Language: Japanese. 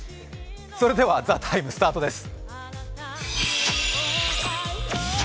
それでは「ＴＨＥＴＩＭＥ，」スタートです